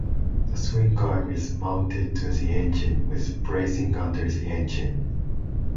The swingarm is mounted to the engine with bracing under the engine.